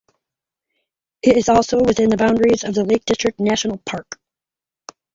It is also within the boundaries of the Lake District National Park.